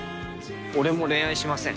俺も恋愛しません。